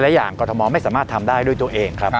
และอย่างกรทมไม่สามารถทำได้ด้วยตัวเองครับ